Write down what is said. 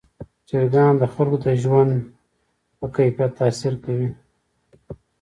چرګان د خلکو د ژوند په کیفیت تاثیر کوي.